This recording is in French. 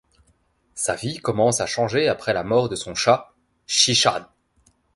Sa vie commence à changer après la mort de son chat Shii-chan.